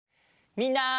みんな！